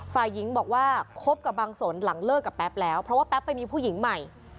ฝ่ายหญิงบอกว่าคบกับบางสนหลังเลิกกับแป๊บแล้วเพราะว่าแป๊บไปมีผู้หญิงใหม่